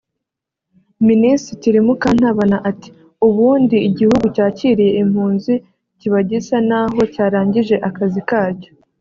Minisitiri Mukantabana ati” Ubundi igihugu cyakiriye impunzi kiba gisa n’aho cyarangije akazi kacyo